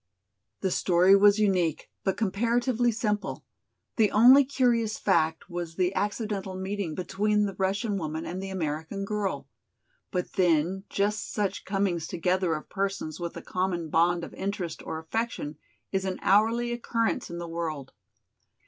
The story was unique but comparatively simple. The only curious fact was the accidental meeting between the Russian woman and the American girl. But then just such comings together of persons with a common bond of interest or affection is an hourly occurrence in the world.